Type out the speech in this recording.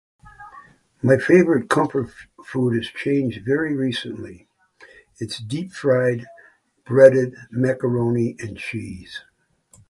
My favorite cup of food has changed very recently; it's deep-fried, breaded macaroni and cheese.